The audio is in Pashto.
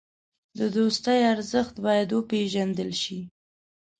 د دوستۍ ارزښت باید وپېژندل شي.